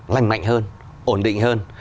lành mạnh hơn ổn định hơn